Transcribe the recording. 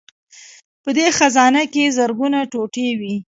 په دې خزانه کې زرګونه ټوټې وې